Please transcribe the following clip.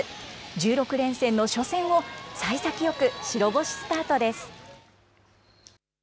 １６連戦の初戦をさい先よく白星スタートです。